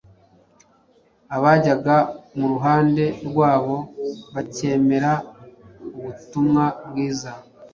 abajyaga mu ruhande rwabo bakemera ubutumwa bwiza.